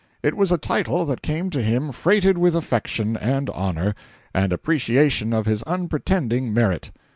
It was a title that came to him freighted with affection, and honor, and appreciation of his unpretending merit.